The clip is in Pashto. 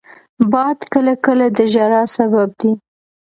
باد کله کله د ژړا سبب دی